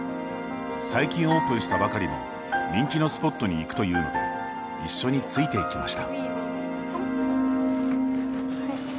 最近オープンしたばかりの人気のスポットに行くというので一緒について行きました。